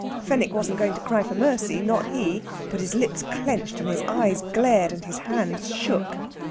Fenwick wasn't going to cry for mercy not he! But his lips clenched and his eyes glared, and his hands shook.